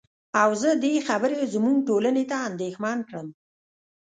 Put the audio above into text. او زه دې خبرې زمونږ ټولنې ته اندېښمن کړم.